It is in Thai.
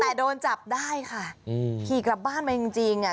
แต่โดนจับได้ค่ะอืมขี่กลับบ้านไปจริงจริงอ่ะ